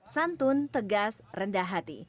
santun tegas rendah hati